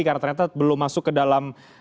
karena ternyata belum masuk ke dalam